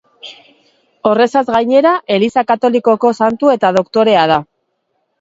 Horrezaz gainera, Eliza Katolikoko santu eta doktorea da.